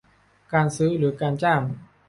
การซื้อหรือการจ้าง